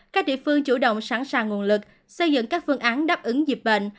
các địa phương chủ động sẵn sàng nguồn lực xây dựng các phương án đáp ứng dịp bệnh